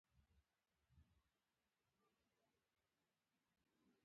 مزل و.